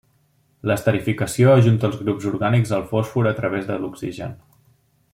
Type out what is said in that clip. L'esterificació ajunta els grups orgànics al fòsfor a través de l'oxigen.